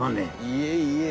いえいえ。